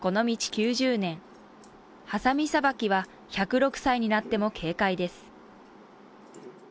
９０年、ハサミさばきは１０６歳になっても軽快です。